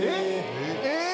えっ！